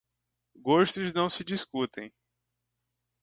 Gostos não se discutem.